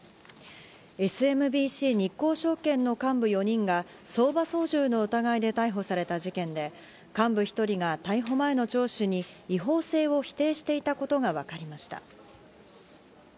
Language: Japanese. ＳＭＢＣ日興証券の幹部４人が相場操縦の疑いで逮捕された事件で、幹部１人が逮捕前の聴取に違法性を否定していたことが分かりました。